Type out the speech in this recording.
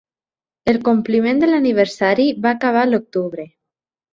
El compliment de l'aniversari va acabar l'octubre.